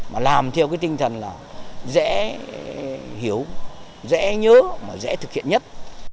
mà làm theo cái tinh thần là dễ hiểu dễ nhớ mà dễ thực hiện nhất